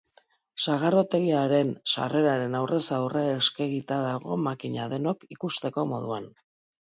Sagardotegiaren sarreraren aurrez aurre eskegita dago makina, denok ikusteko moduan.